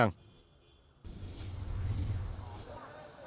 cũng trong sáng nay